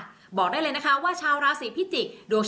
ส่งผลทำให้ดวงชะตาของชาวราศีมีนดีแบบสุดเลยนะคะ